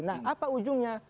nah apa ujungnya